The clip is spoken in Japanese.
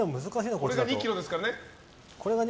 これが２ｋｇですからね。